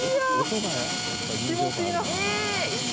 気持ちいいな。